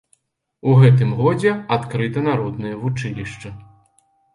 У гэтым годзе адкрыта народнае вучылішча.